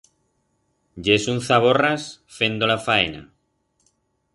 Yes un zaborras fendo la faena.